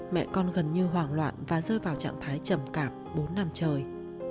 mẹ con gần như hoảng loạn và rơi vào trạng thái trầm cảm bốn năm trời